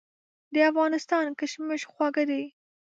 د افغانستان کشمش خواږه دي.